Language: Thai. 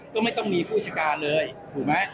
ก็ไม่ต้องมีผู้จัดการเลยถูกไหม